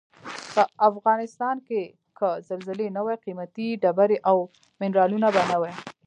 په افغنستان کې که زلزلې نه وای قیمتي ډبرې او منرالونه به نه وای.